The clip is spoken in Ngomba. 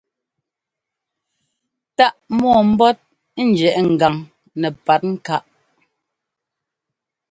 Táʼ mɔɔmbɔ́t njiɛ́ʼ ŋgan nɛpatŋkáʼ.